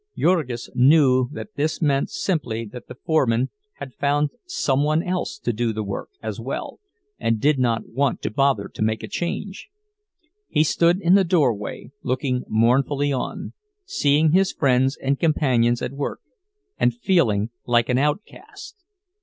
Jurgis knew that this meant simply that the foreman had found some one else to do the work as well and did not want to bother to make a change. He stood in the doorway, looking mournfully on, seeing his friends and companions at work, and feeling like an outcast.